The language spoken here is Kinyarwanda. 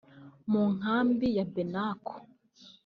mu nkambi ya Benako